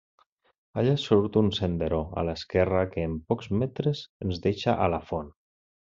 Allà surt un senderó a l'esquerra que en pocs metres ens deixa a la font.